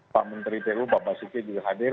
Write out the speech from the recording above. pak menteri tu bapak suki juga hadir